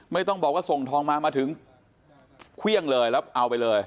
ไม่ต้องบอกว่าส่งทองมามาถึงเครื่องเลยแล้วเอาไปเลย